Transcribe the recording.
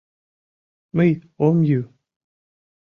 — Мый ом йӱ...